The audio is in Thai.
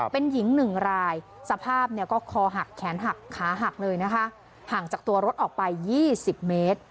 เป็นหญิง๑รายสภาพเนี่ยก็คอหักแขนหักขาหักเลยนะคะห่างจากตัวรถออกไป๒๐เมตร